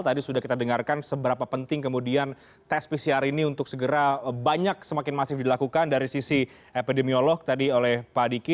tadi sudah kita dengarkan seberapa penting kemudian tes pcr ini untuk segera banyak semakin masif dilakukan dari sisi epidemiolog tadi oleh pak diki